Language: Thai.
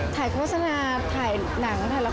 ถ่ายโฆษณาถ่ายหนังถ่ายละครสวยโอเค